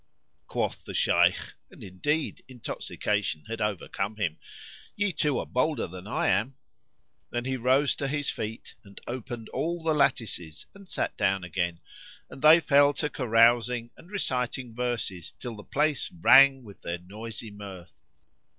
Quoth the Shaykh (and indeed intoxication had overcome him), "Ye two are bolder than I am." Then he rose to his feet and opened all the lattices and sat down again; and they fell to carousing and reciting verses till the place rang with their noisy mirth.